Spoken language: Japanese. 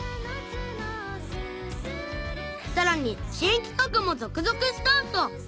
さらに新企画も続々スタート！